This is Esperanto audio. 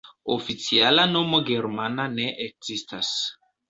Oficiala nomo germana ne ekzistas.